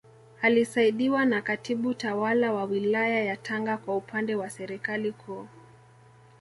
Akisaidiwa na Katibu Tawala wa Wilaya ya Tanga kwa upande wa Serikali Kuu